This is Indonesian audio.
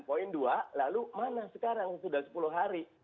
poin dua lalu mana sekarang sudah sepuluh hari